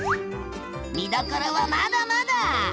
見どころはまだまだ！